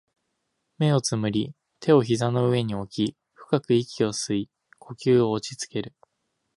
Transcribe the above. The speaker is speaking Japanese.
目を瞑り、手を膝の上に置き、深く息を吸い、呼吸を落ち着ける